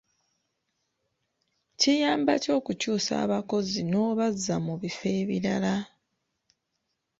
Kiyamba ki okukyusa abakozi n'obazza mu bifo ebirala?